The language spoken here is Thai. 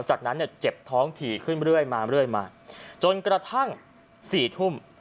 จากนั้นเนี่ยเจ็บท้องถี่ขึ้นเรื่อยมาเรื่อยมาจนกระทั่ง๔ทุ่ม